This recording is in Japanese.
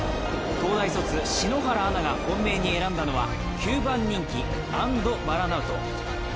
東大卒・篠原アナが本命に選んだのは、９番人気、アンドヴァラナウト。